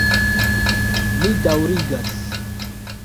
Mi daŭrigas.